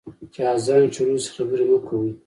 چي اذان شروع سي، خبري مه کوئ.